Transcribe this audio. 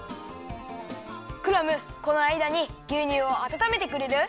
クラムこのあいだにぎゅうにゅうをあたためてくれる？